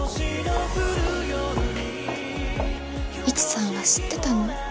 イチさんは知ってたの？